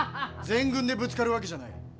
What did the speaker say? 全軍でぶつかるわけじゃない。